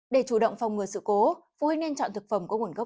để chủ động phòng ngừa sự cố